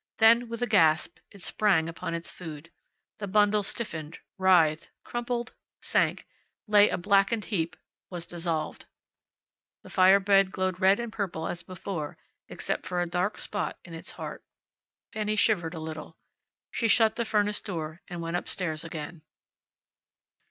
Then, with a gasp, it sprang upon its food. The bundle stiffened, writhed, crumpled, sank, lay a blackened heap, was dissolved. The fire bed glowed red and purple as before, except for a dark spot in its heart. Fanny shivered a little. She shut the furnace door and went up stairs again.